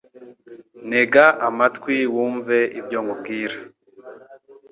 ntega amatwi wumve ibyo nkubwira